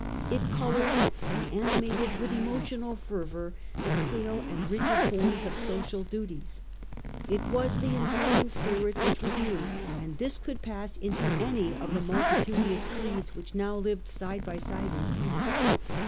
It coloured and animated with emotional fervour the pale and rigid forms of social duties. It was the informing spirit which was new, and this could pass into any of the multitudinous creeds which now lived side by side in peace.